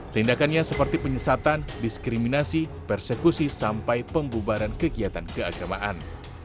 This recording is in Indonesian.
tindakannya seperti penyesatan diskriminasi persekusi sampai pembubaran kegiatan keagamaan